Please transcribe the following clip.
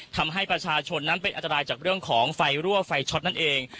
ทำให้ประชาชนนั้นเป็นอันตรายจากเรื่องของไฟรั่วไฟช็อตนั่นเอง